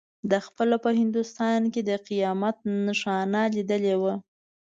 ده خپله په هندوستان کې د قیامت نښانه لیدلې وه.